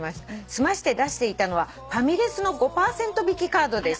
すまして出していたのはファミレスの５％引きカードでした」